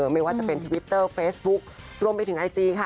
ไม่ว่าจะเป็นทวิตเตอร์เฟซบุ๊ครวมไปถึงไอจีค่ะ